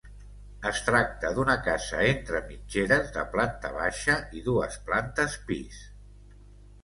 Es tracta d'una casa entre mitgeres de planta baixa i dues plantes pis.